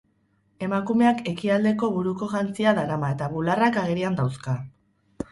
Emakumeak ekialdeko buruko jantzia darama eta bularrak agerian dauzka.